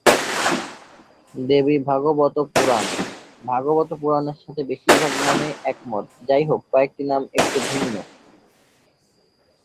দেবীভাগবত পুরাণ, ভাগবত পুরাণের সাথে বেশিরভাগ নামে একমত; যাইহোক, কয়েকটি নাম একটু ভিন্ন।